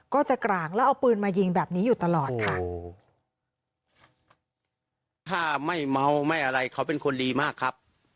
ก็จะกร่างแล้วเอาปืนมายิงแบบนี้อยู่ตลอดค่ะ